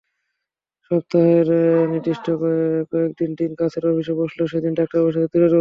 সপ্তাহের নির্দিষ্ট কয়েকটি দিন কাছের অফিসে বসলেও সেদিন ডাক্তার বসেছেন দূরের অফিসে।